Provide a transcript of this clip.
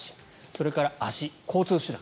それからアシ、交通手段。